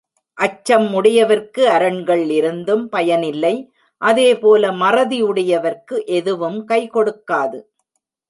அச்சம் உடையவர்க்கு அரண்கள் இருந்தும் பயனில்லை அதே போல மறதி உடையவர்க்கு எதுவும் கைகொடுக்காது.